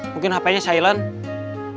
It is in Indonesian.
mungkin hp nya silent